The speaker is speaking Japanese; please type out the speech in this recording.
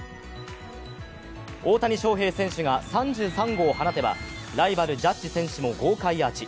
大谷翔平選手が３３号を放てばライバル、ジャッジ選手も豪快アーチ。